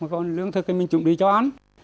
còn lương thực mình chuẩn bị cho ăn